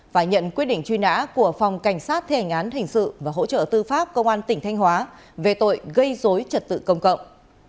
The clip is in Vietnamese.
và nhận quyết định truy nã của phòng cảnh sát thể hành án hình sự và hỗ trợ tư pháp công an tỉnh thanh hóa về tội gây dối trật tự công cộng